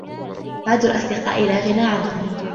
بعض الأصدقاء لا غنى عنهم.